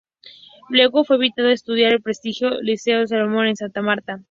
Luego fue enviado a estudiar al prestigioso Liceo Celedón en Santa Marta.